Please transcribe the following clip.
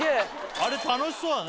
あれ、楽しそうだね。